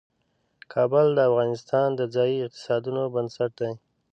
کابل د افغانستان د ځایي اقتصادونو بنسټ دی.